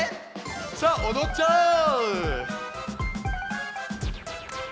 さあおどっちゃおう！